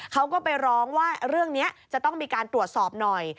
เขาก็ไปร้องว่าเรื่องนี้จะต้องมีการตรวจสอบหน่อย